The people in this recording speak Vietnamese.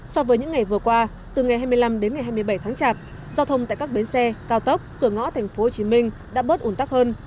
so với những ngày vừa qua từ ngày hai mươi năm đến ngày hai mươi bảy tháng chạp giao thông tại các bến xe cao tốc cửa ngõ tp hcm đã bớt ủn tắc hơn